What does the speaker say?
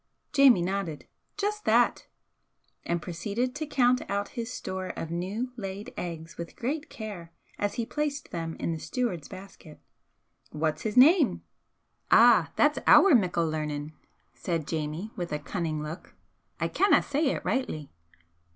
Jamie nodded "Just that!" and proceeded to count out his store of new laid eggs with great care as he placed them in the steward's basket. "What's his name?" "Ah, that's ower mickle learnin'," said Jamie, with a cunning look "I canna say it rightly."